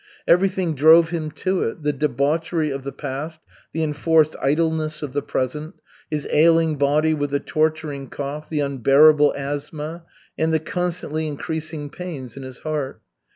Everything drove him to it, the debauchery of the past, the enforced idleness of the present, his ailing body with the torturing cough, the unbearable asthma, and the constantly increasing pains in his heart.